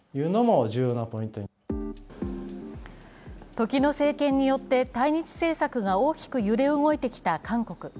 時の政権によって対日政策が大きく揺れ動いてきた韓国。